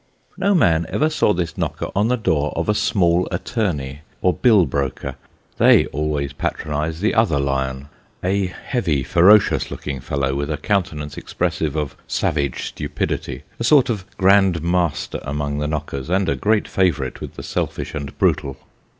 No man ever saw this knocker on the door of a small attorney or bill broker ; they always patronise the other lion ; a heavy ferocious looking fellow, with a countenance expressive of savage stupidity a sort Jof grand master among the knockers, and a great favourite with the selfish and brutal.